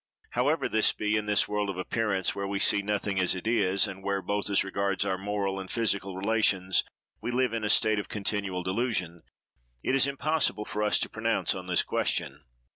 However this be, in this world of appearance, where we see nothing as it is, and where, both as regards our moral and physical relations, we live in a state of continual delusion, it is impossible for us to pronounce on this question.